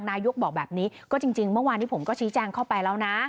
นายกบอกแบบนี้ก็จริงเมื่อวานนี้ผมก็ชี้แจงเข้าไปแล้วนะ